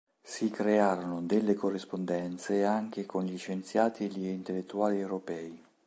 Si crearono delle corrispondenze anche con gli scienziati e gli intellettuali europei.